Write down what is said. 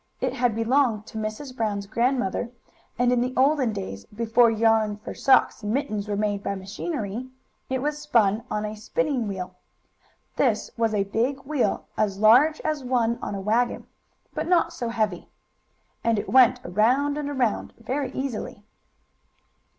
It had belonged to Mrs. Brown's grandmother, and in the olden days, before yarn for socks and mittens was made by machinery, it was spun on a spinning wheel. This was a big wheel, as large as one on a wagon, but not so heavy. And it went around and around, very easily.